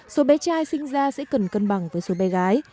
số bé trai sinh ra sẽ cần cân bằng với số bé gái